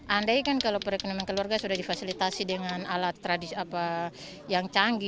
andai kan kalau perekonomian keluarga sudah difasilitasi dengan alat tradisi yang canggih